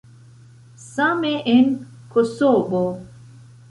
Same en Kosovo.